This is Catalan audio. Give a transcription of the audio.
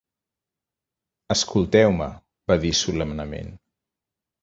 "Escolteu-me", va dir solemnement.